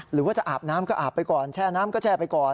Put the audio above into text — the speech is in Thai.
หรือว่าจะอาบน้ำก็อาบไปก่อนแช่น้ำก็แช่ไปก่อน